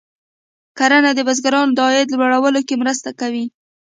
کرنه د بزګرانو د عاید لوړولو کې مرسته کوي.